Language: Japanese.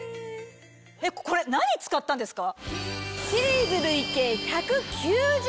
これ何使ったんですか？